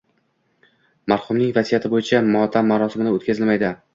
Marhumning vasiyati bo`yicha motam marosimi o`tkazilmaydi